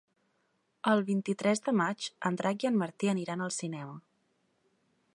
El vint-i-tres de maig en Drac i en Martí aniran al cinema.